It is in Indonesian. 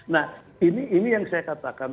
nah ini yang saya katakan